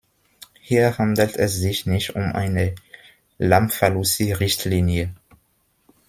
Hier handelt es sich nicht um eine "Lamfalussy"-Richtlinie.